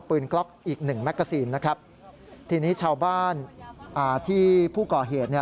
ปืนกล๊อกอีก๑แม็กกระซีนนะครับทีนี้ชาวบ้านที่ผู้ก่อเหตุ